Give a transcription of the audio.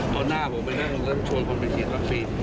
ตอนหน้าผมไม่ได้ชวนคนไปฉีดวัคซี